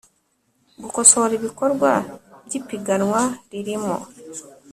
gukosora ibikorwa by ipiganwa ririmo